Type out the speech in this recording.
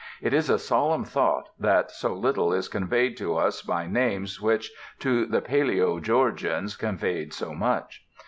It is a solemn thought that so little is conveyed to us by names which to the palæo Georgians conveyed so much.